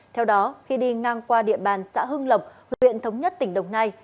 theo đó khi đi ngang qua địa bàn xã hưng lộc huyện thống nhất tỉnh đồng nai